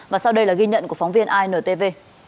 và sau đây là ghi nhận của phóng viên intv